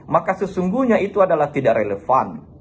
maka sesungguhnya itu adalah tidak relevan